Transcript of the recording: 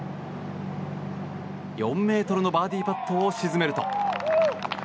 ４ｍのバーディーパットを沈めると。